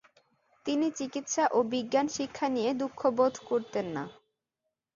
তিনি চিকিৎসা ও বিজ্ঞান শিক্ষা নিয়ে দুঃখবোধ করতেন না।